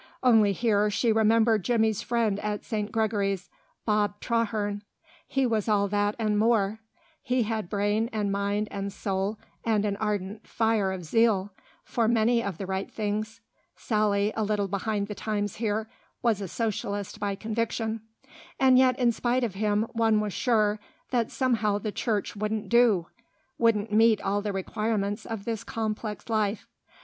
Only here she remembered Jimmy's friend at St. Gregory's, Bob Traherne; he was all that and more, he had brain and mind and soul and an ardent fire of zeal for many of the right things (Sally, a little behind the times here, was a Socialist by conviction), and yet in spite of him one was sure that somehow the Church wouldn't do, wouldn't meet all the requirements of this complex life.